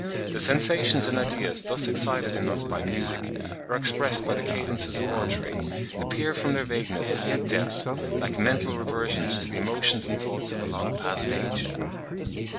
49.) The sensations and ideas thus excited in us by music, or expressed by the cadences of oratory, appear from their vagueness, yet depth, like mental reversions to the emotions and thoughts of a long past age.